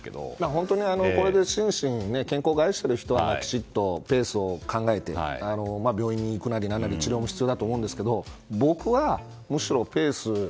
本当に、これで心身の健康を害している人はきちんとペースを考えて病院に行くなり治療も必要だと思いますけど僕は、むしろペース。